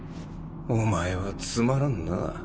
お前はつまらんなぁ。